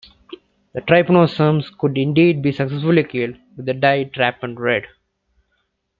The trypanosomes could indeed be successfully killed with the dye trypan red.